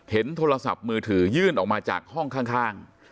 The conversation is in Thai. โทรศัพท์มือถือยื่นออกมาจากห้องข้าง